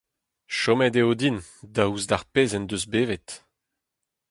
Chomet eo din daoust d'ar pezh en deus bevet.